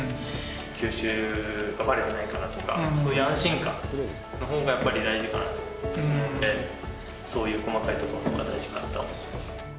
球種がばれてないかなとか、そういう安心感のほうがやっぱり大事かなと思うので、そういう細かいところが大事かなと思います。